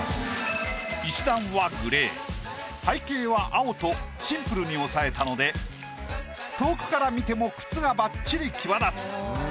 石段はグレー背景は青とシンプルに抑えたので遠くから見ても靴がばっちり際立つ。